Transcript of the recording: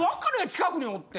近くにおって。